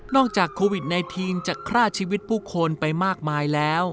จากโควิด๑๙จะฆ่าชีวิตผู้คนไปมากมายแล้ว